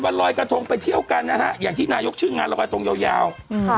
ว่าลอยกระทงไปเที่ยวกันนะฮะอย่างที่หนาโยละกระทงยาว